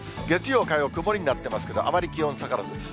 月曜、火曜、曇りになってますけど、あまり気温下がらず。